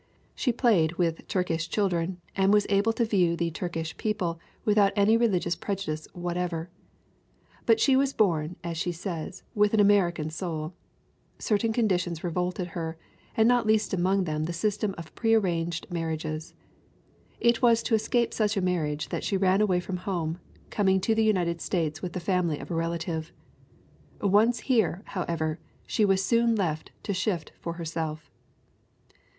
She played with Turkish children and was able to view the Turkish people without any religious prejudice whatever. But she was born, she says, with an Ameri can soul. Certain conditions revolted her, and not least among them the system of prearranged marri ages. It was to escape such a marriage that she ran away from home, coming to the United States with the family of a relative. Once here, however, she was soon left to shift for herself.